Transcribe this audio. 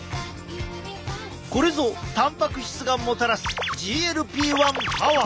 これぞたんぱく質がもたらすＧＬＰー１パワー！